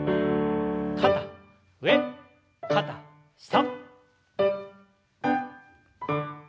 肩上肩下。